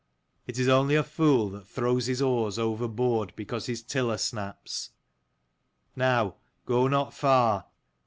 It is only a fool that throws his oars overboard because his tiller snaps. Now go not far.